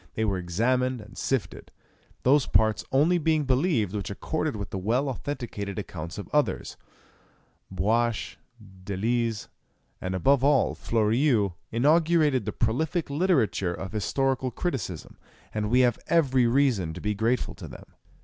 They were examined and sifted, those parts only being believed which accorded with the well authenticated accounts of others. Buache, Delisle, and above all Fleurieu, inaugurated the prolific literature of historical criticism, and we have every reason to be grateful to them.